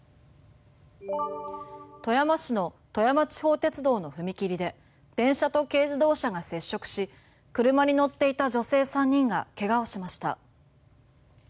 富山市の富山地方鉄道の踏切で電車と軽自動車が接触し車に乗っていた女性３人が怪我をしました。